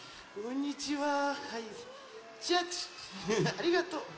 ありがとう。